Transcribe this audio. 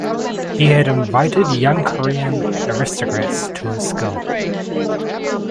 He had invited young Korean aristocrats to his school.